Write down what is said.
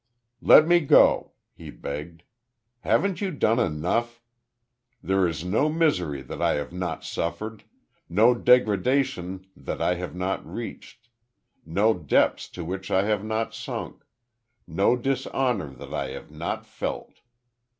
"Let me go," he begged. "Haven't you done enough? There is no misery that I have not suffered no degradation that I have not reached no depths to which I have not sunk no dishonor that I have not felt.